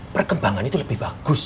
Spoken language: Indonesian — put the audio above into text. perkembangan itu lebih bagus